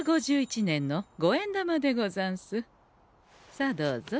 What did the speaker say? さあどうぞ。